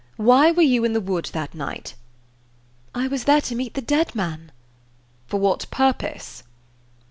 Why were you in the wood that night?" "I was there to meet the dead man." "For what purpose?"